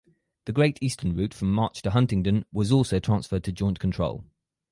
The Great Eastern route from March to Huntingdon was also transferred to joint control.